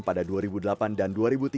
pada dua ribu delapan dan dua ribu tiga belas